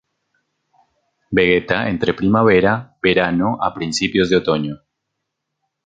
Vegeta entre primavera, verano y principios de otoño.